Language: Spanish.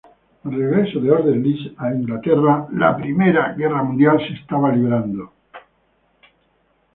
Al regreso de Orde-Lees a Inglaterra, la Primera Guerra Mundial se estaba librando.